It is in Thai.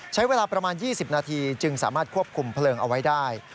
ใช้เวลาประมาณ๒๐นาทีจึงสามารถควบคุมเพลิงเอาไว้ได้